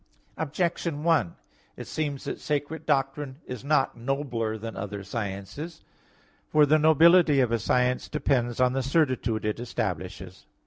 Objection 1: It seems that sacred doctrine is not nobler than other sciences; for the nobility of a science depends on the certitude it establishes.